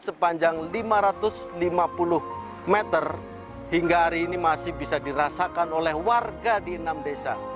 sepanjang lima ratus lima puluh meter hingga hari ini masih bisa dirasakan oleh warga di enam desa